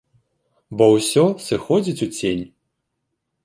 Бо ўсё сыходзіць у цень.